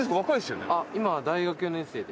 今大学４年生で。